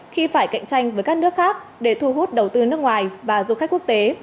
khi phải cạnh tranh với các nước khác để thu hút đầu tư nước ngoài và du khách quốc tế